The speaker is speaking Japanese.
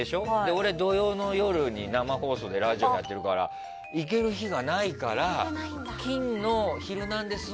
俺は土曜の夜に生放送でラジオやってるから行ける日がないから金の「ヒルナンデス！」